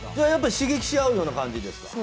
刺激し合うような感じですか？